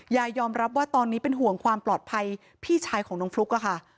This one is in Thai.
ยอมรับว่าตอนนี้เป็นห่วงความปลอดภัยพี่ชายของน้องฟลุ๊กอะค่ะ